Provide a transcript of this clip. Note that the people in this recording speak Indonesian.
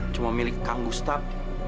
cuma milik kang gustaf